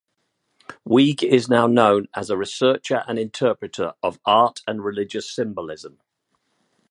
Wiig is now known as a researcher and interpreter of art- and religious symbolism.